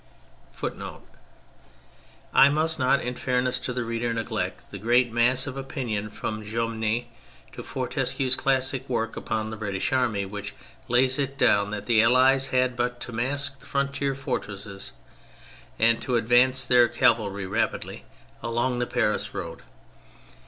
^ I must not, ill fairness to tlie reader, neglect tlie great mass of opinion, from Jomini to Mr. Fortescue's classic work upon the British Army, which lays it down that the Allies had but to mask the frontier fortresses and to advance their cavalry rapidly along the Paris road.